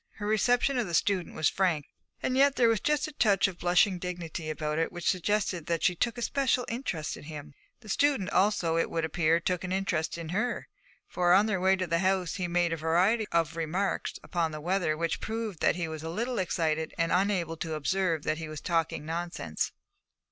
Her reception of the student was frank, and yet there was just a touch of blushing dignity about it which suggested that she took a special interest in him. The student also, it would appear, took an interest in her, for, on their way to the house, he made a variety of remarks upon the weather which proved that he was a little excited and unable to observe that he was talking nonsense.